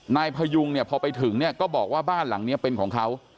นายพยุงเนี่ยพอไปถึงเนี่ยก็บอกว่าบ้านหลังนี้เป็นของเขา